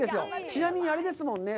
ちなみにあれですもんね。